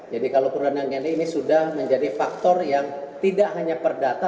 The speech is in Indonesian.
jadi kalau kurangnya gini gini sudah menjadi faktor yang tidak hanya perdata